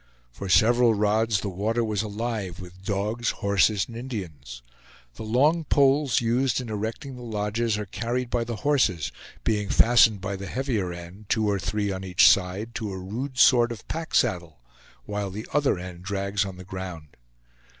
For several rods the water was alive with dogs, horses, and Indians. The long poles used in erecting the lodges are carried by the horses, being fastened by the heavier end, two or three on each side, to a rude sort of pack saddle, while the other end drags on the ground.